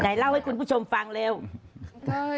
ไหนเล่าให้คุณผู้ชมทำรูปฟังเร็ว